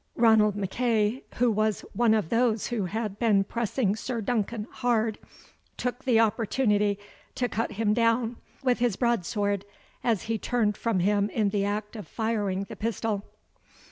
Ranald MacEagh, who was one of those who had been pressing Sir Duncan hard, took the opportunity to cut him down with his broadsword, as he turned from him in the act of firing the pistol.